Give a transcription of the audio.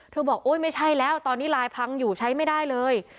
บอกโอ๊ยไม่ใช่แล้วตอนนี้ลายพังอยู่ใช้ไม่ได้เลย